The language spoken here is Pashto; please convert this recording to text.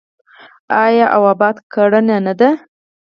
آیا او اباد کړی نه دی؟